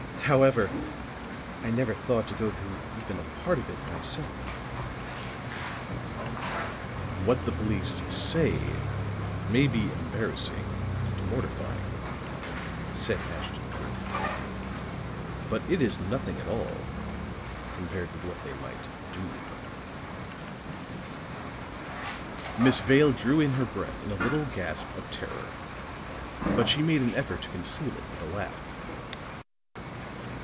"However, I never thought to go through even a part of it myself." "What the police say may be embarrassing and mortifying," said Ashton Kirk gravely, "but it is nothing at all, compared with what they might do." Miss Vale drew in her breath in a little gasp of terror; but she made an effort to conceal it with a laugh.